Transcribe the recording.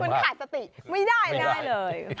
คุณขาดสติไม่ได้ได้เลย